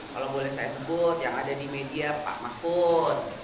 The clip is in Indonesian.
kalau boleh saya sebut yang ada di media pak mahfud